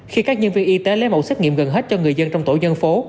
khi các nhân viên y tế lấy mẫu xét nghiệm gần hết cho người dân trong tổ dân phố